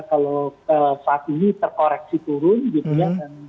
kalau saat ini terkoreksi turun gitu ya